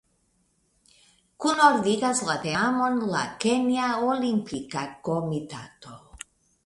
Kunordigas la teamon la Kenja Olimpika Komitato.